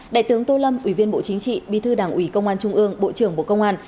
đại tướng tô lâm ủy viên bộ chính trị bí thư đảng ủy công an trung ương bộ trưởng bộ công an